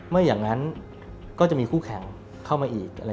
ไม่อย่างนั้นก็จะมีคู่แข่งเข้ามาอีก